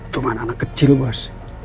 cuman anak kecil bos